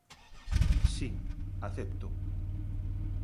Si, acepto.